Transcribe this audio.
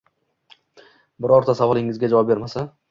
birorta savolingizga javob bermasa